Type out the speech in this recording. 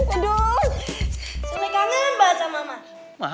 aduh sule kangen baca mama